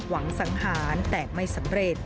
สังหารแต่ไม่สำเร็จ